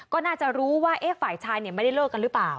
ก็น่าจะรู้ว่าฝ่ายชายไม่ได้เลิกกันหรือเปล่า